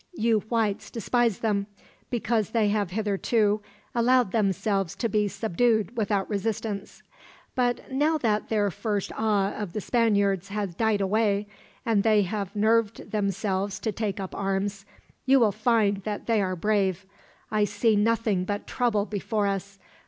You whites despise them, because they have hitherto allowed themselves to be subdued without resistance; but now that their first awe of the Spaniards has died away, and they have nerved themselves to take up arms, you will find that they are brave. I see nothing but trouble before us.